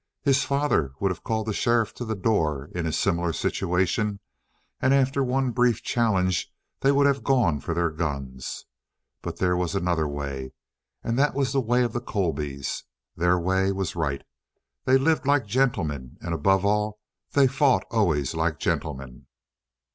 His father would have called the sheriff to the door, in a similar situation, and after one brief challenge they would have gone for their guns. But there was another way, and that was the way of the Colbys. Their way was right. They lived like gentlemen, and, above all, they fought always like gentlemen.